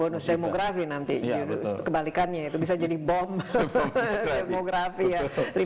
bonus demografi nanti kebalikannya itu bisa jadi bom demografi ya